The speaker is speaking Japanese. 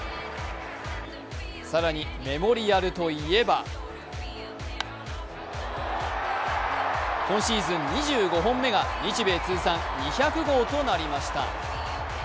更に、メモリアルといえば今シーズン２５本目が、日米通算２００号となりました。